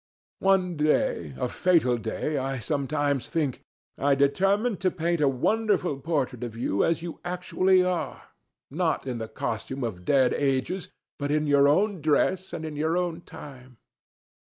One day, a fatal day I sometimes think, I determined to paint a wonderful portrait of you as you actually are, not in the costume of dead ages, but in your own dress and in your own time.